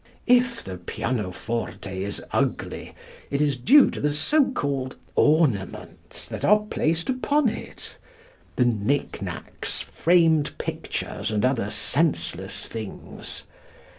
If the pianoforte is ugly, it is due to the so called "ornaments" that are placed upon it the knicknacks, framed pictures and other senseless things.